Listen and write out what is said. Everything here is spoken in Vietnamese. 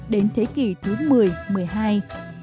đến thế kỷ thứ mười mười hai